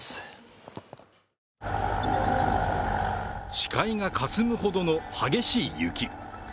視界がかすむほどの激しい雪。